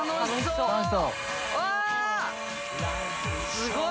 すごい。